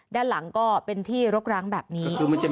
ด้านหลังก็เป็นที่รกร้างแบบนี้